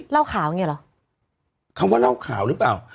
เล่าข่าวอย่างเงี้เหรอคำว่าเล่าข่าวหรือเปล่า